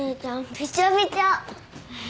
びちゃびちゃ。